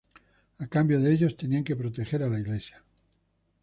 A cambio, ellos tenían que proteger a la iglesia.